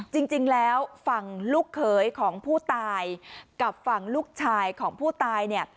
จริงแล้วฝั่งลูกเขยของผู้ตายกับฝั่งลูกชายของผู้ตายเนี่ย